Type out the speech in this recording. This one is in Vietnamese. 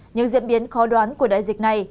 những diễn biến khó đoán của đại dịch này